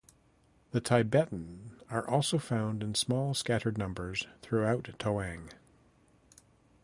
The Tibetan are also found in small scattered numbers throughout Tawang.